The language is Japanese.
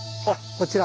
こちら。